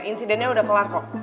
insidennya udah kelar kok